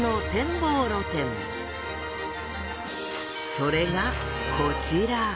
それがこちら。